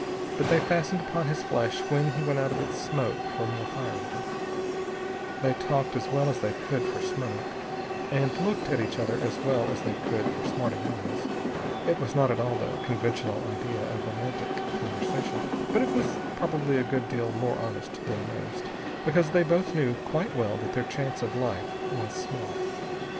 But they fastened upon his flesh when he went out of its smoke for more wood. They talked, as well as they could for smoke, and looked at each other as well as they could for smarting eyes. It was not at all the conventional idea of romantic conversation, but it was probably a good deal more honest than most, because they both knew quite well that their chance of life was small.